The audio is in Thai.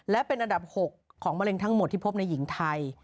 และเป็นอันดับ๖ของมะเร็งทั้งหมดที่พบในหญิงไทย